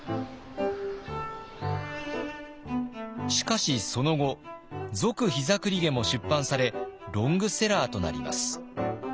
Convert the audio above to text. しかしその後「続膝栗毛」も出版されロングセラーとなります。